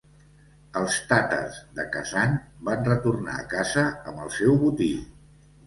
Els tàtars de Kazan van retornar a casa amb el seu botí.